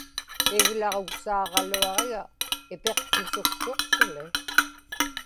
iglaġuksaaġaluaġiga ipiqtusuktuq suli